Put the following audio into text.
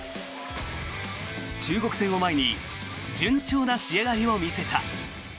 中国戦を前に順調な仕上がりを見せた。